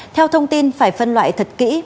theo thông tin phải phân loại thật kỹ